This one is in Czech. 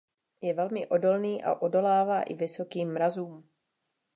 Je velmi odolný a odolává i vysokým mrazům.